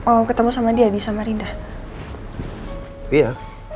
aku mau berangkat sana aku mau berangkat sama dia di semarinda